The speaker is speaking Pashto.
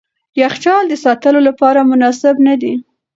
یخچال د ساتلو لپاره مناسب نه دی.